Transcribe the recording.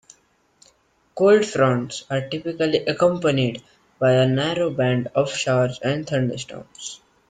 Cold fronts are typically accompanied by a narrow band of showers and thunderstorms.